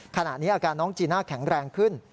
ขณะนี้อาการน้องจีน่าแข็งแรงขึ้น